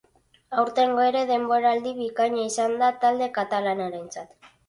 Aurtengo ere denboraldi bikaina izan da talde katalanarentzat.